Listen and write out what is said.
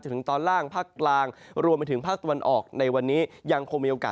จนถึงตอนล่างภาคกลางรวมไปถึงภาคตะวันออกในวันนี้